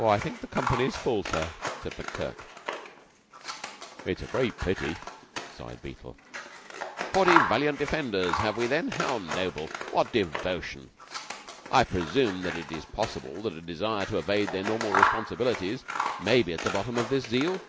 "I think the company's full, sir," said McTurk. "It's a great pity," sighed Beetle. "Forty valiant defenders, have we, then? How noble! What devotion! I presume that it is possible that a desire to evade their normal responsibilities may be at the bottom of this zeal.